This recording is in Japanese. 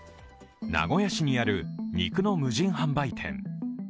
名古屋市にある肉の無人販売店。